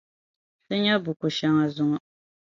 Ti nyɛ buku shɛŋa zɔŋɔ.